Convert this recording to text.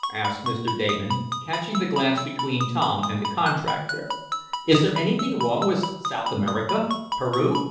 asked Mr. Damon, catching the glance between Tom and the contractor. "Is there anything wrong with South America Peru?